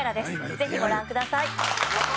ぜひご覧ください。